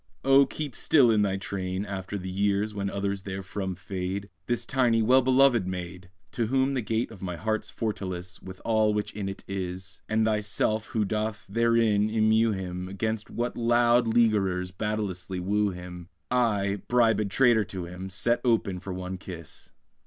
Oh, keep still in thy train, After the years when others therefrom fade, This tiny, well belovèd maid! To whom the gate of my heart's fortalice, With all which in it is, And the shy self who doth therein immew him 'Gainst what loud leaguerers battailously woo him, I, bribèd traitor to him, Set open for one kiss.